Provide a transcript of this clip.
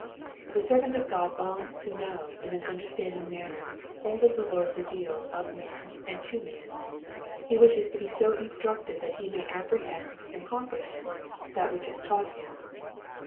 The servant of God longs to know in an understanding manner all that the Lord reveals of man and to man ; he wishes to be so instructed that he may apprehend and comprehend that which is taught him.